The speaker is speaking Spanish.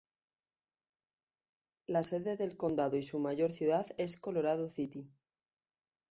La sede del condado y su mayor ciudad es Colorado City.